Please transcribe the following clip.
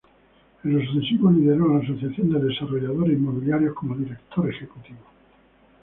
En lo sucesivo lideró la Asociación de Desarrolladores Inmobiliarios como director ejecutivo.